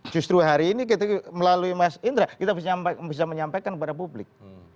justru hari ini kita melalui mas indra kita bisa menyampaikan kepada publik